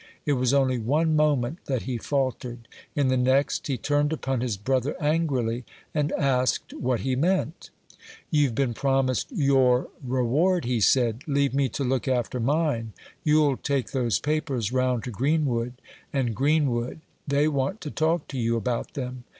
It was only one moment that he faltered. In the next he turned upon his brother angrily, and asked what he meant. "You've been promised your reward," he said; "leave me to look after mine. You'll take those papers round to Greenwood and Greenwood; they want to talk to you about them."